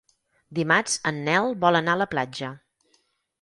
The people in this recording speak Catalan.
Dimarts en Nel vol anar a la platja.